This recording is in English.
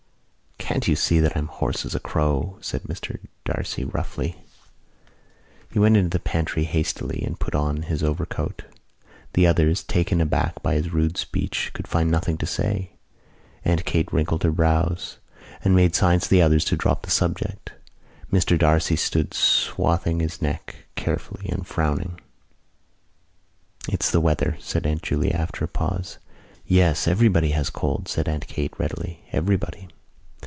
"Can't you see that I'm as hoarse as a crow?" said Mr D'Arcy roughly. He went into the pantry hastily and put on his overcoat. The others, taken aback by his rude speech, could find nothing to say. Aunt Kate wrinkled her brows and made signs to the others to drop the subject. Mr D'Arcy stood swathing his neck carefully and frowning. "It's the weather," said Aunt Julia, after a pause. "Yes, everybody has colds," said Aunt Kate readily, "everybody."